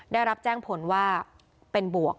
ได้รับแจ้งผลว่าเป็นบวก